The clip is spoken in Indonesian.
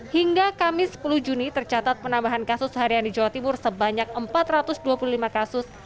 hingga kamis sepuluh juni tercatat penambahan kasus seharian di jawa timur sebanyak empat ratus dua puluh lima kasus